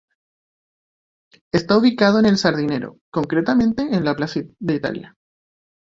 Está ubicado en El Sardinero, concretamente en la plaza de Italia.